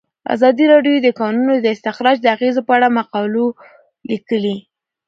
ازادي راډیو د د کانونو استخراج د اغیزو په اړه مقالو لیکلي.